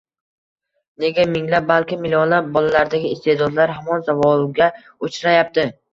Nega minglab, balki millionlab bolalardagi iste’dodlar hamon zavolga uchrayapti?